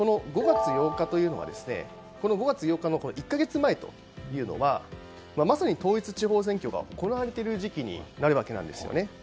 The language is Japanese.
この５月８日の１か月前というのはまさに統一地方選挙が行われている時期になるんですね。